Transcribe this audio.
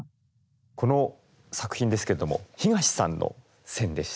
この作品ですけれども東さんの選でした。